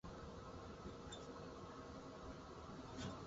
Por su patrimonio cultural, es mexicano.